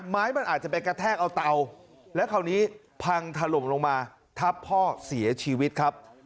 ไม้มันอาจจะไปกระแทกเอาเตาแล้วคราวนี้พังถล่มลงมาทับพ่อเสียชีวิตครับ